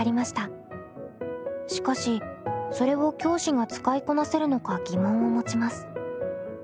しかしそれを教師が使いこなせるのか疑問を持ちます。